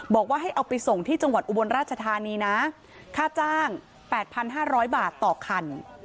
บอกว่าให้เอาไปส่งที่จังหวัดอุบลราชธานีนะค่าจ้าง๘๕๐๐บาทต่อคัน